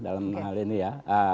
dalam hal ini ya